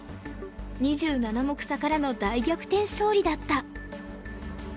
２７目差からの大逆転勝利だった。